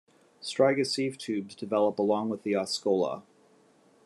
"Striga" sieve tubes develop along with the oscula.